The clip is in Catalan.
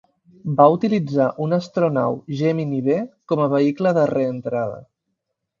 Va utilitzar una astronau Gemini B com a vehicle de reentrada.